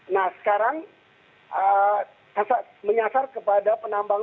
nah sekarang menyasar kepada penambang